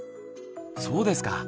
そうですか。